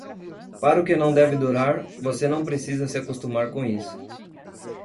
Para o que não deve durar, você não precisa se acostumar com isso.